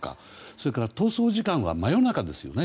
それから逃走時間は真夜中ですよね。